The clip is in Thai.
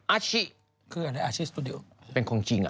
อาชิเป็นคนจีนอ่ะ